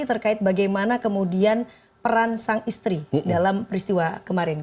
terkait bagaimana kemudian peran sang istri dalam peristiwa kemarin